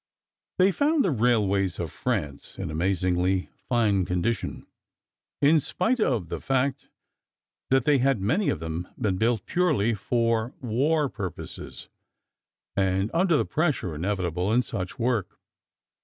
They found the railways of France in amazingly fine condition, in spite of the fact that they had, many of them, been built purely for war uses, and under the pressure inevitable in such work.